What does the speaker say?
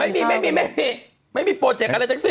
ไม่มีไม่มีไม่มีไม่มีโปรเจกต์อะไรจริง